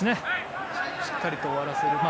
しっかりと終わらせる。